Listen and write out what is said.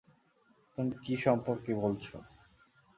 তুমি কি সম্পর্কে বলছো?